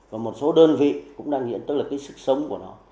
và một số đơn vị cũng đang nhận tức là cái sức sống của nó